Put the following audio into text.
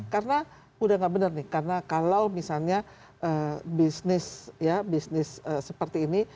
karena udah nggak benar nih karena kalau misalnya bisnis seperti ini